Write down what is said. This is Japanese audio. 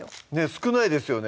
少ないですよね